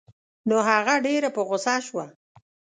نو هغه ډېره په غوسه شوه.